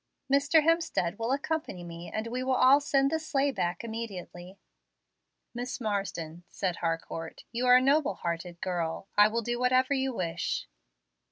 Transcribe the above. Mr. Hemstead will accompany me, and we will send the sleigh back immediately." "Miss Marsden," said Harcourt, "you are a noble hearted girl. I will do whatever you wish."